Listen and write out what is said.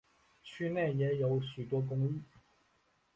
区内也有许多公寓。